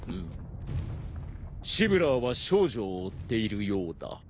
・シブラーは少女を追っているようだ。